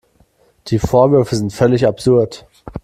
Die Vorwürfe sind völlig absurd.